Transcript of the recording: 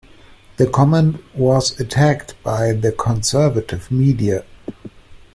The comment was attacked by the conservative media.